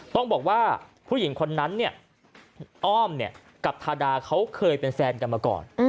ต้องบอกว่าผู้หญิงคนนั้นเนี่ยอ้อมกับทาดาเขาเคยเป็นแฟนกันมาก่อน